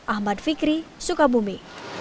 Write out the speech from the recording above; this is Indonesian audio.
ahmad fikri sukabumi